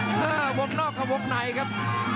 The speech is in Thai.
หัวหกนอกกับหัวกไหนครับ